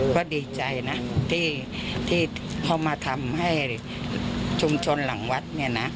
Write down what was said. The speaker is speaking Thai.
ก็ดีใจนะที่เขามาทำให้ชุมชนหลังวัดเนี่ยนะ